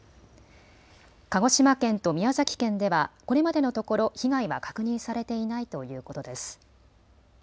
鹿児島県と宮崎県ではこれまでのところ被害は確認されていないということです。